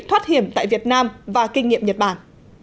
thoát hiểm tại việt nam và kinh nghiệm nhật bản